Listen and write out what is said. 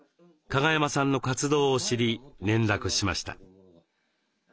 加賀山さんの活動を知り連絡しました。